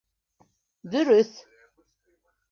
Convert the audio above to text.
— Дөрөҫ.